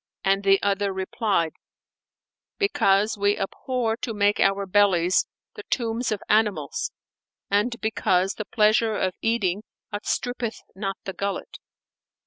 and the other replied, "Because we abhor to make our bellies the tombs of animals and because the pleasure of eating outstrippeth not the gullet."